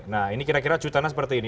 nah ini kira kira cuci tanah seperti ini